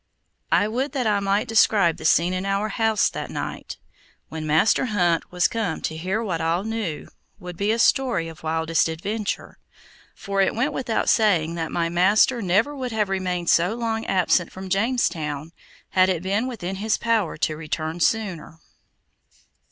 I would that I might describe the scene in our house that night, when Master Hunt was come to hear what all knew would be a story of wildest adventure, for it went without saying that my master never would have remained so long absent from Jamestown had it been within his power to return sooner.